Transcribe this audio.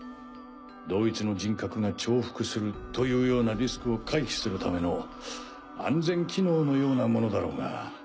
同一の人格が重複するというようなリスクを回避するための安全機能のようなものだろうが。